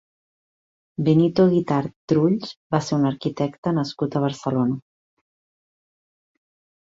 Benito Guitart Trulls va ser un arquitecte nascut a Barcelona.